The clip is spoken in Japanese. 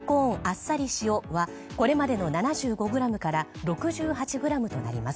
とんがりコーンあっさり塩はこれまでの７５ｇから６８ｇとなります。